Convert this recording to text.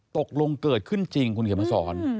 ตกลงเกิดขึ้นจริงคุณเขียนมาสอน